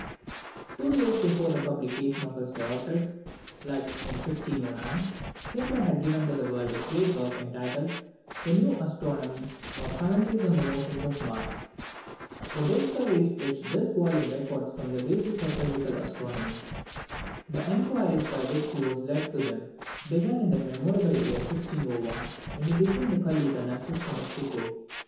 Two years before the publication of his Dioptrics, viz. in 1609, Kepler had given to the world his great work, entitled "The New Astronomy, or Commentaries on the Motions of Mars." The discoveries which this volume records form the basis of physical astronomy. The inquiries by which he was led to them began in that memorable year 1601, when he became the colleague or assistant of Tycho.